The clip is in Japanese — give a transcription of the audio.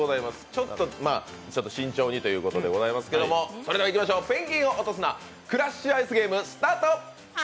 ちょっと慎重にということですけどそれではいきましょう、ペンギンを落とすな、「クラッシュアイスゲーム」スタート！